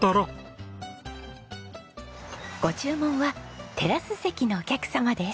ご注文はテラス席のお客様です。